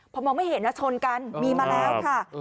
พอมองไม่เห็นนะชนกันมีมาแล้วค่ะ